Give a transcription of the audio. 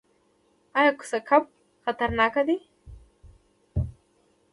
ایا کوسه کب خطرناک دی؟